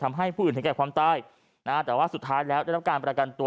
ทำให้ผู้อื่นถึงแก่ความตายนะฮะแต่ว่าสุดท้ายแล้วได้รับการประกันตัว